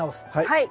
はい。